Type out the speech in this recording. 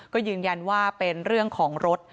ก็ยืนยันว่าเป็นเรื่องของรถ